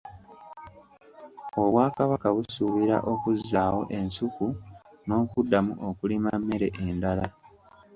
Obwakabaka busuubira okuzzaawo ensuku n’okuddamu okulima emmere endala.